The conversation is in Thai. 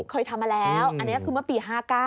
เคยทำมาแล้วอันนี้คือเมื่อปี๕๙